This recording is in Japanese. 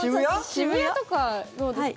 渋谷とかどうですか？